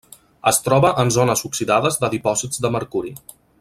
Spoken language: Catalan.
Es troba en zones oxidades de dipòsits de mercuri.